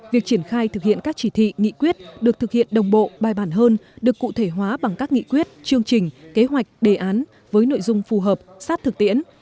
việc triển khai thực hiện các chỉ thị nghị quyết được thực hiện đồng bộ bài bản hơn được cụ thể hóa bằng các nghị quyết chương trình kế hoạch đề án với nội dung phù hợp sát thực tiễn